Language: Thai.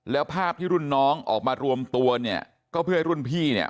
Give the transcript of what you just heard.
แล้วภาพที่รุ่นน้องออกมารวมตัวเนี่ยก็เพื่อให้รุ่นพี่เนี่ย